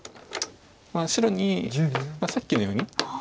白にさっきのように。